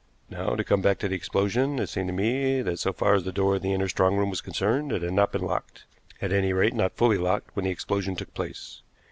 Now, to come back to the explosion, it seemed to me that so far as the door of the inner strong room was concerned it had not been locked, at any rate not fully locked, when the explosion took place.